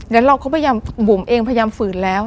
แล้วเราก็พยายามบุ๋มเองพยายามฝืนแล้ว